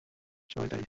আমরা সবাই দায়ী।